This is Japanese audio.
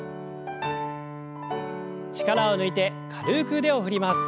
力を抜いて軽く腕を振ります。